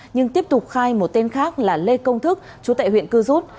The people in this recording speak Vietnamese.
nhưng tiếp tục khai một tên khác là lê công thức chú tại huyện cư rút